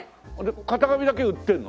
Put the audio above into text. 型紙だけを売ってるの？